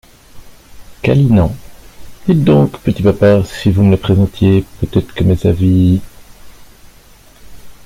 Câlinant. dites donc, petit papa, si vous me les présentiez, peut-être que mes avis…